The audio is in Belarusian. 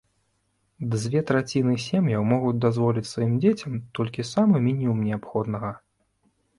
Дзве траціны сем'яў могуць дазволіць сваім дзецям толькі самы мінімум неабходнага.